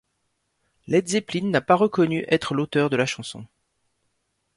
Led Zeppelin n'a pas reconnu être l'auteur de la chanson.